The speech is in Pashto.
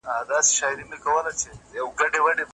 د هرات لرغونی ولایت یې